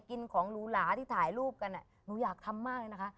กินของหรูหลาที่ถ่ายรูปกันหนูอยากทำมากเลยนะคะ